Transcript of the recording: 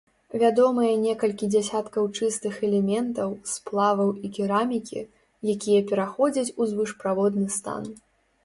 Вядомыя некалькі дзясяткаў чыстых элементаў, сплаваў і керамікі, якія пераходзяць у звышправодны стан.